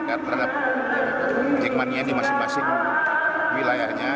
terhadap jackmania di masing masing wilayahnya